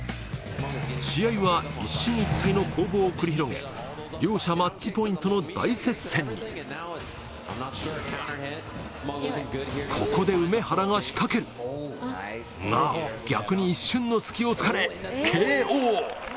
試合は一進一退の攻防を繰り広げ両者マッチポイントの大接戦にここでウメハラが仕掛けるが逆に一瞬の隙をつかれＫＯ